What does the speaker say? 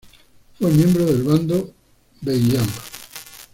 Fue miembro del bando Beiyang.